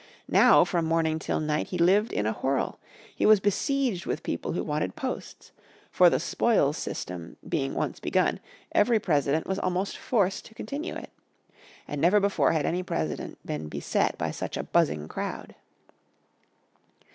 Now from morning till night he lived in a whirl. He was besieged with people who wanted posts. For the spoils system being once begun, every President was almost forced to continue it. And never before had any President been beset by such a buzzing crowd.